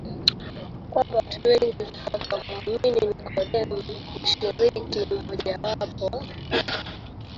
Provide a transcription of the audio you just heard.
kwamba watu wengi wakamwamini Nikodemu mshiriki mmojawapo wa